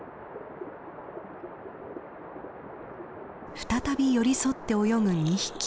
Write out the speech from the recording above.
再び寄り添って泳ぐ２匹。